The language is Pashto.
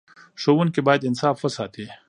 ښوونکي باید انصاف وساتي.